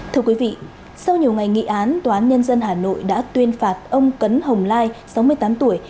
thưa quý vị sau nhiều ngày nghị án tòa án nhân dân hà nội đã tuyên phạt ông cấn hồng lai sáu mươi tám tuổi